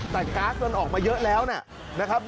แต่ก๊าซมันออกมาเยอะแล้วนะครับ